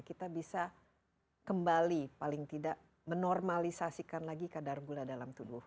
kita bisa kembali paling tidak menormalisasikan lagi kadar gula dalam tubuh